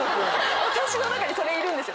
私の中にそれいるんです。